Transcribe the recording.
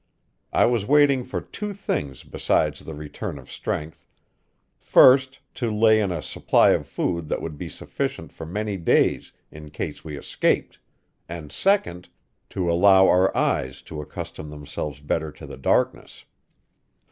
I was waiting for two things besides the return of strength; first, to lay in a supply of food that would be sufficient for many days in case we escaped, and second, to allow our eyes to accustom themselves better to the darkness.